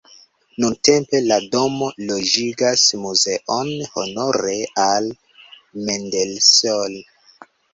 Nuntempe la domo loĝigas muzeon honore al Mendelssohn.